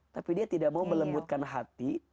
tapi dia tidak mau melembutkan hati